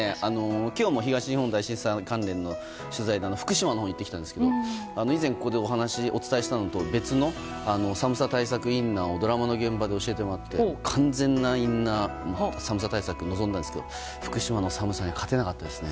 今日も東日本大震災関連の取材で福島のほうに行ってきたんですが以前ここでお伝えしたのと別の寒さ対策インナーをドラマの現場で教えてもらって完全なインナーで寒さ対策、臨んだんですが福島の寒さには勝てなかったですね。